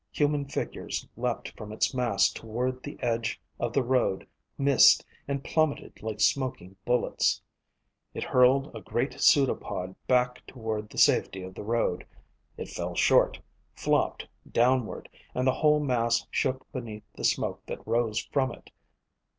Human figures leaped from its mass toward the edge of the road, missed, and plummetted like smoking bullets. It hurled a great pseudopod back toward the safety of the road; it fell short, flopped downward, and the whole mass shook beneath the smoke that rose from it.